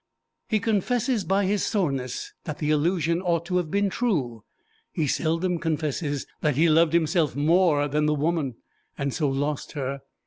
He confesses by his soreness that the illusion ought to have been true; he seldom confesses that he loved himself more than the woman, and so lost her.